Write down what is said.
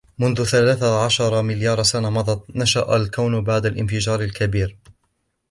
منذ ثلاثة عشر مليار سنة مضت نشأ الكون بعد الانفجار الكبير